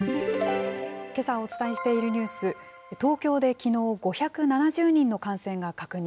けさお伝えしているニュース、東京できのう、５７０人の感染が確認。